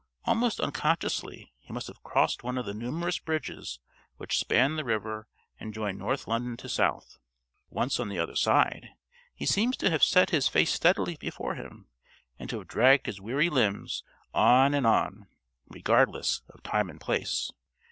Almost unconsciously he must have crossed one of the numerous bridges which span the river and join North London to South. Once on the other side, he seems to have set his face steadily before him, and to have dragged his weary limbs on and on, regardless of time and place.